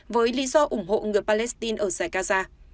với lý do ủng hộ người palestine ở zaykaza